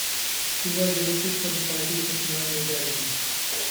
He was elected for the party with a small majority.